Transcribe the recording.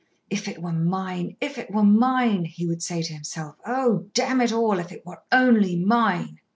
"If it were mine, if it were mine!" he would say to himself. "Oh! damn it all, if it were only mine!"